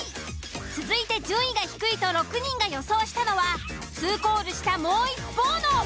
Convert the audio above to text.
続いて順位が低いと６人が予想したのは２コールしたもう一方の。